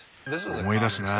思い出すなぁ